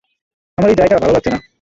আমার এই জায়গা ভালো লাগছে না।